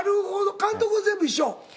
監督は全部一緒？